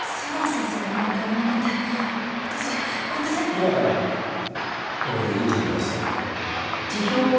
今からこれを院長に出してくる。